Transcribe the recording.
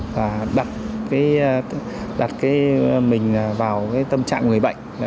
và đặt mình vào tâm trạng người bệnh